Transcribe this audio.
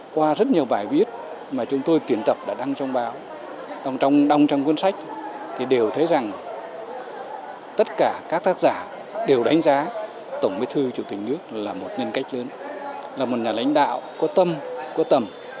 qua rất nhiều bài viết mà chúng tôi tuyển tập đã đăng trong báong trong cuốn sách thì đều thấy rằng tất cả các tác giả đều đánh giá tổng bí thư chủ tịch nước là một nhân cách lớn là một nhà lãnh đạo có tâm có tầm